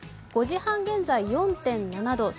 ５時半現在、４．６度。